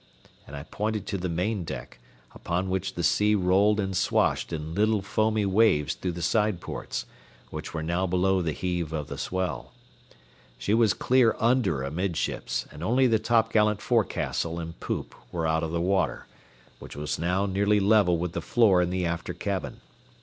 And I pointed to the main deck, upon which the sea rolled and swashed in little foamy waves through the side ports, which were now below the heave of the swell. She was clear under amidships, and only the topgallant forecastle and poop were out of water, which was now nearly level with the floor in the after cabin.